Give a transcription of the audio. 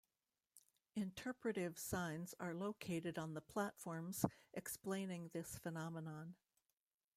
Interpretive signs are located on the platforms explaining this phenomenon.